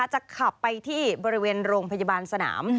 จะขับไปที่บริเวณโรงพยาบาลสนาม